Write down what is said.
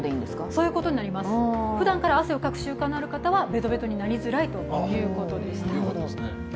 そういうことになります、ふだんから汗をかく習慣がある方はベトベトになりづらいということでした。